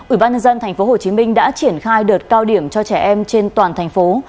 ủy ban nhân dân tp hcm đã triển khai đợt cao điểm cho trẻ em trên toàn thành phố